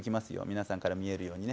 皆さんから見えるようにね